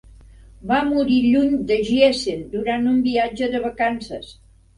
Va morir lluny de Giessen, durant un viatge de vacances.